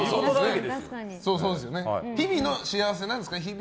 日々の幸せなんですか？